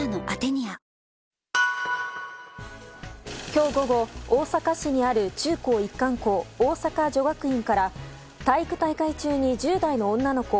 今日午後大阪市にある中高一貫校大阪女学院から体育大会中に１０代の女の子